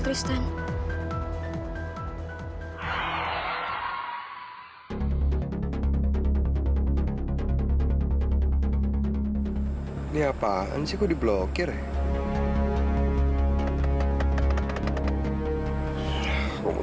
tidak dia sudah kembali